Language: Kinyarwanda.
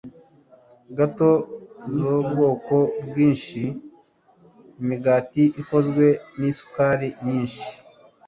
gato zubwoko bwinshi imigati ikozwe nisukari nyinshi